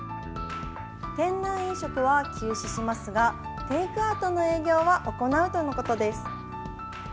店内飲食は休止しますがテイクアウトの営業は行うとのことです。